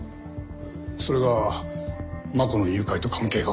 それが真子の誘拐と関係が？